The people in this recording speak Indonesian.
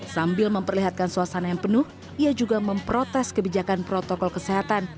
sambil memperlihatkan suasana yang penuh ia juga memprotes kebijakan protokol kesehatan